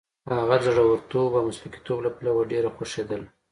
هغه د زړورتوب او مسلکیتوب له پلوه ډېره خوښېدله.